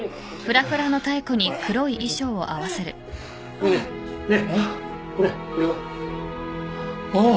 ねえねえねっこれこれは？あっ。